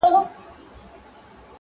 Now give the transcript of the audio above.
خوار که خداى کړې، دا بې غيرته چا کړې؟